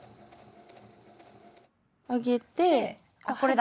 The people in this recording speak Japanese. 上げてあっこれだ。